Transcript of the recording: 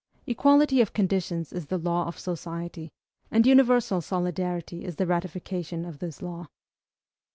Equality of conditions is the law of society, and universal solidarity is the ratification of this law.